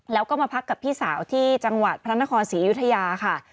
แล้วก็มาพักกับพี่สาวที่จังหวัดพระนครศรีอยุธยาค่ะ